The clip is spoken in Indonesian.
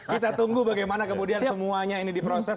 kita tunggu bagaimana kemudian semuanya ini diproses